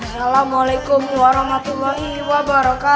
waalaikumsalam warahmatullahi wabarakatuh